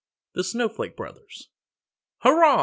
THE SNOW FLAKE BROTHERS "Hurrah!"